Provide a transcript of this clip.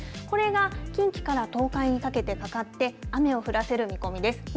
これが近畿から東海にかけてかかって、雨を降らせる見込みです。